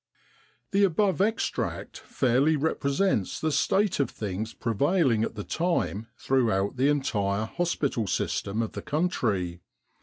The above extract fairly represents the state of things prevailing at the time throughout the entire hospital system of the country.